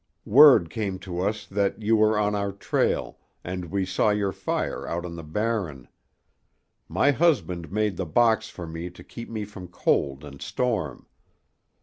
Word came to us that you were on our trail, and we saw your fire out on the Barren. My husband made the box for me to keep me from cold and storm.